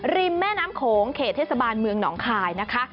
แม่น้ำโขงเขตเทศบาลเมืองหนองคายนะคะ